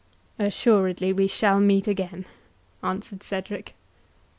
"Assuredly we shall meet again," answered Cedric.